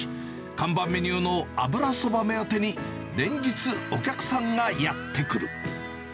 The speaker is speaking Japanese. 看板メニューの油そば目当てに、連日、お客さんがやって来る。